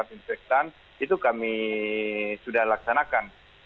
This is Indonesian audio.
itu kami sudah laksanakan